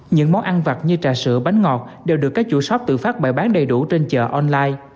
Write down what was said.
những món ăn vặt như trà sữa bánh ngọt đều được các chủ shop tự phát bày bán đầy đủ trên chợ online